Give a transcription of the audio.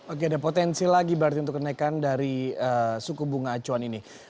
oke ada potensi lagi berarti untuk kenaikan dari suku bunga acuan ini